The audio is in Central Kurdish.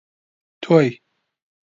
تۆی: